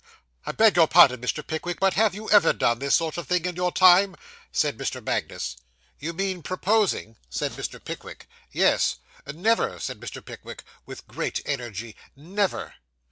'I beg your pardon, Mr. Pickwick; but have you ever done this sort of thing in your time?' said Mr. Magnus. 'You mean proposing?' said Mr. Pickwick. 'Yes.' 'Never,' said Mr. Pickwick, with great energy, 'never.